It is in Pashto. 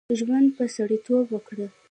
ژوند په سړیتوب وکړه.